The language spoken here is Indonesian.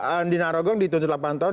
andina rogong dituntut delapan tahun